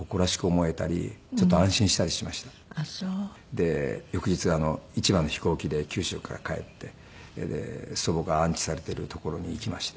で翌日一番の飛行機で九州から帰ってで祖母が安置されている所に行きまして。